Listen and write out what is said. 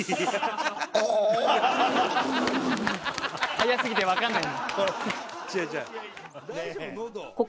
速すぎてわかんない。